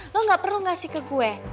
lo gak perlu ngasih ke gue